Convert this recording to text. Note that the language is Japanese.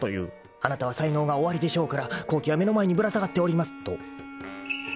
［「あなたは才能がおありでしょうから好機は目の前にぶら下がっております」と］